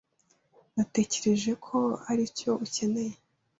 Natekereje ko aricyo ukeneye.